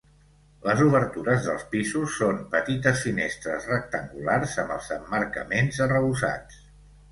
Les obertures dels pisos són petites finestres rectangulars amb els emmarcaments arrebossats.